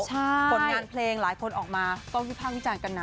ผลงานเพลงหลายคนออกมาต้องวิภาควิจารณ์กันนะ